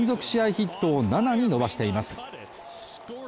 ヒットを７に伸ばしています。